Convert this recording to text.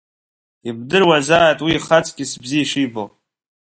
Ибдыруазааит уи ихаҵкьыс бзиа ишибо.